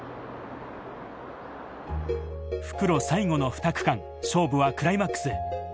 復路最後の２区間、勝負はクライマックスへ。